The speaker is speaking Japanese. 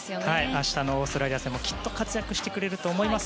明日のオーストラリア戦もきっと活躍してくれると思います。